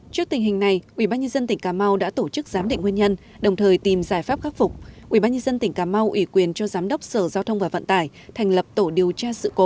trước tình hình này ubnd tỉnh cà mau đã tổ chức giám định nguyên nhân đồng thời tìm giải pháp khắc phục